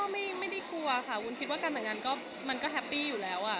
ไม่ได้กลัวค่ะวุ้นคิดว่าการแต่งงานก็มันก็แฮปปี้อยู่แล้ว